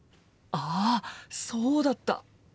あそうだった！